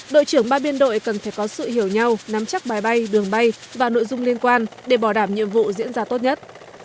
đội trưởng ba biên đội cần phải có sự hiểu nhau nắm chắc bài bay đường bay và nội dung liên quan để bảo đảm nhiệm vụ diễn ra tốt nhất